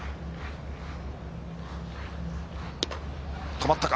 止まったか。